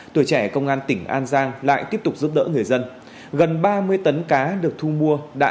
tuổi trẻ công an tỉnh an giang lại tiếp tục giúp đỡ người dân gần ba mươi tấn cá được thu mua đã